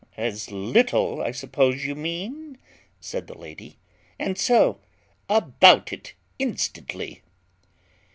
"As little, I suppose you mean," said the lady; "and so about it instantly."